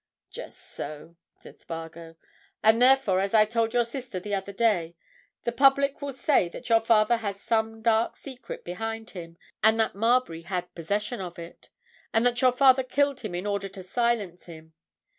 "Just so," said Spargo. "And therefore, as I told your sister the other day, the public will say that your father has some dark secret behind him, and that Marbury had possession of it, and that your father killed him in order to silence him.